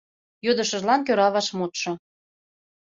Йодышыжлан кӧра вашмутшо.